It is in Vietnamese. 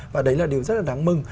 và đấy là điều rất là đáng mừng